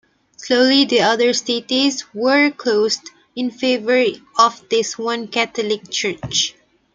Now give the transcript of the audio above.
Slowly the other staties were closed in favor of this one Catholic church.